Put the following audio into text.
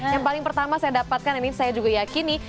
yang paling pertama saya dapatkan ini saya juga yakini